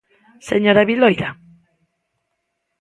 Señora Viloira.